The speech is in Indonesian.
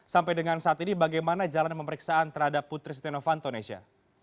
sampai dengan saat ini bagaimana jalan pemeriksaan terhadap putri setia novanto nesya